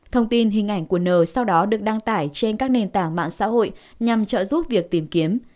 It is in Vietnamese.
thông tin hình ảnh của n sau đó được đăng tải trên các nền tảng mạng xã hội nhằm trợ giúp việc tìm kiếm